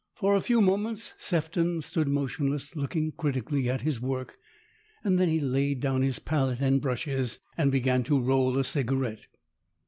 For a few moments Sefton stood motionless, looking critically at his work. Then he laid down his palette and brushes and began to roll a cigarette.